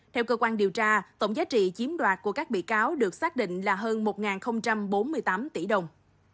theo cơ quan điều tra tổng giá trị chiếm đoạt của các bị cáo được xác định là hơn một bốn mươi tám tỷ đồng